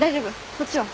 そっちは？